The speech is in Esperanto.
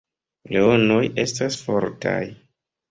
Leonoj estas fortaj.